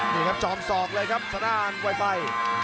นี่ครับจอมศอกเลยครับทางด้านไวไฟ